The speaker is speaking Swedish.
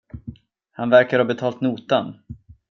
Han verkar ha betalt notan.